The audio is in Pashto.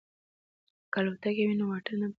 که الوتکه وي نو واټن نه پاتیږي.